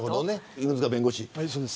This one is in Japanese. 犬塚弁護士。